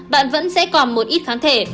bạn vẫn sẽ còn một ít kháng thể